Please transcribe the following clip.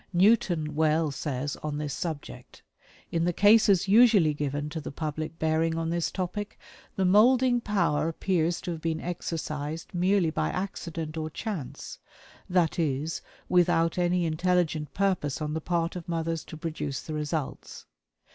Newton well says, on this subject: "In the cases usually given to the public bearing on this topic, the moulding power appears to have been exercised merely by accident or chance; that is, without any intelligent purpose on the part of mothers to produce the results.